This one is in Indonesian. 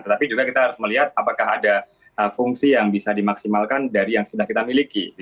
tetapi juga kita harus melihat apakah ada fungsi yang bisa dimaksimalkan dari yang sudah kita miliki